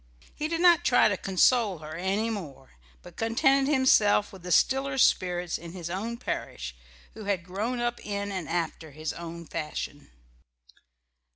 He did not try to console her any more, but contented himself with the stiller spirits in his own parish, who had grown up in and after his own fashion.